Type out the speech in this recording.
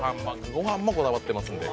御飯もこだわってますんで。